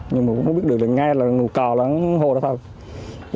nhưng mà cũng không biết được nghe là nụ cầu là hô ra sao